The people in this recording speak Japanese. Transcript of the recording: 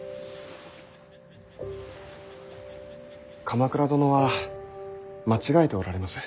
鎌倉殿は間違えておられます。